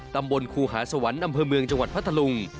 ตำบลครูหาสวรรค์อำเภอเมืองจังหวัดพัทธลุง